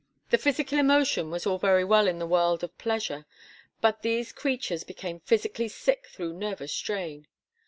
The psychical emotion was all very well in the world of pleasure; but these creatures became physically sick through nervous strain.